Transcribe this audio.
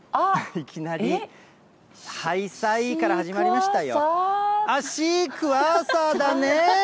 いきなり、はいさいから始まりましたよ。